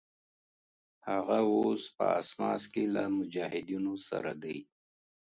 هغه اوس په اسماس کې له مجاهدینو سره دی.